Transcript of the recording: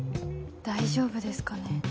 大丈夫ですかね。